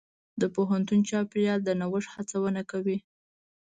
د پوهنتون چاپېریال د نوښت هڅونه کوي.